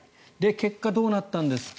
結果、どうなったんですか。